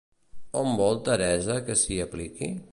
On vol Theresa que s'hi apliqui?